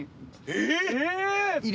えっ！